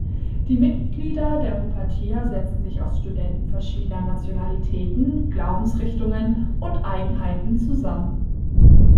Die Mitglieder der Rupertia setzen sich aus Studenten verschiedener Nationalitäten, Glaubensrichtungen und Eigenheiten zusammen.